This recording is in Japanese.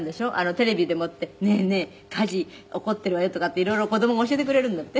テレビでもって“ねえねえ火事起こっているわよ”とかって色々子供が教えてくれるんだって？」